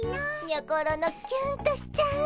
にょころのキュンとしちゃう。